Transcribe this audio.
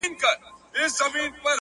پر خپلوانو گاونډیانو مهربان وو!